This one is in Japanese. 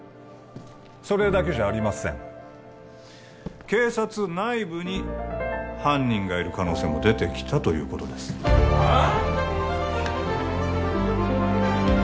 それだけじゃありません警察内部に犯人がいる可能性も出てきたということですはあ？